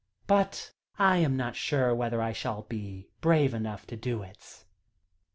But I am not sure whether I shall be brave enough to do it."